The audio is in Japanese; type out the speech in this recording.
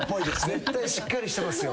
絶対しっかりしてますよ。